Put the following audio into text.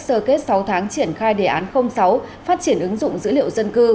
sơ kết sáu tháng triển khai đề án sáu phát triển ứng dụng dữ liệu dân cư